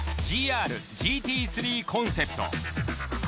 ＧＲＧＴ３コンセプト。